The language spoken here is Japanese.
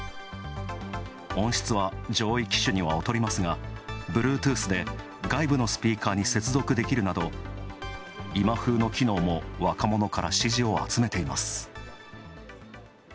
音質は上位機種には劣りますがブルートゥースで外部のスピーカーに接続できるなど今風の機能も若者から支持を集めています。